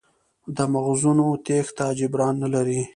د مغزونو تېښته جبران نه لري.